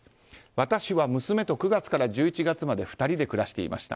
私は娘と９月から１１月まで２人で暮らしていました。